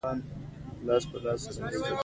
د سردارانو سره د لیدلو اجازه وغوښتل.